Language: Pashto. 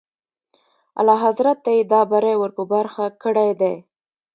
اعلیحضرت ته یې دا بری ور په برخه کړی دی.